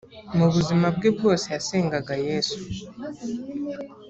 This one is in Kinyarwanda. mu buzima bwe bwose yasengaga yesu